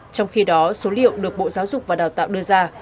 trong khi đó số liệu được bộ giáo dục và đào tạo đưa ra